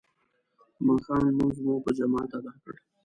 د ماښام لمونځ مو په جماعت ادا کړ.